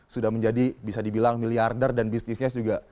sudah menjadi bisa dibilang miliarder dan bisnisnya juga